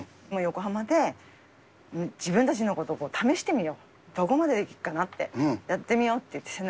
もう横浜で、自分たちのことを試してみよう、どこまでいけるかなって、やってみようって言って。